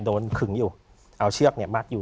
โดนขึงอยู่เอาเชื่อเก็บมักอยู่